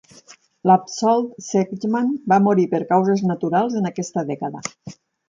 L'absolt Zechman va morir per causes naturals en aquesta dècada.